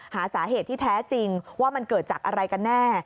หาสาเหตุที่แท้จริงว่ามันเกิดจากอะไรกันแน่